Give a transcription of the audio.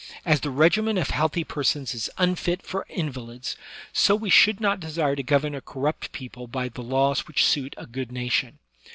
As the regimen of healthy persons is unfit for invalids, so we should not desire to govern a corrupt i)eople by the laws which suit a good nation.